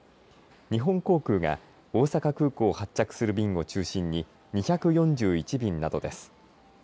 日本航空が大阪空港を発着する便を中心に２４１便などです。